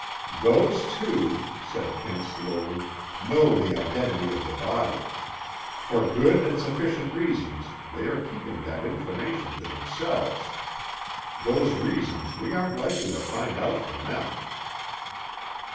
"Those two," said Kent slowly, "know the identity of the body. For good and sufficient reasons, they are keeping that information to themselves. Those reasons we aren't likely to find out from them."